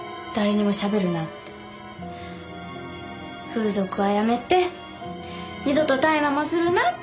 風俗はやめて二度と大麻もするなって。